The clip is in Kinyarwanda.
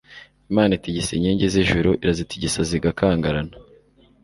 imana itigisa inkingi z'ijuru, irazitigisa zigakangarana